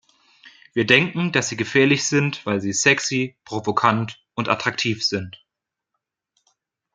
Wir denken, dass sie gefährlich sind, weil sie sexy, provokant und attraktiv sind.